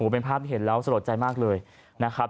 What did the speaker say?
เป็นภาพที่เห็นแล้วสะลดใจมากเลยนะครับ